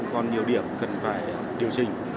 cũng còn nhiều điểm cần phải điều chỉnh